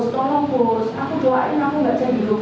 tolong tolong aku doain aku nggak jadi doa